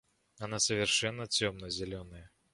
Она совершенно темно-зеленая.